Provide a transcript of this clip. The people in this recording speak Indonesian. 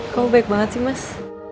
kau baik banget sih mas